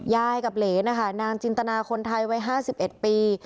ยายกับเหรนนะคะนางจินตนาคนไทยวัย๕๑ปี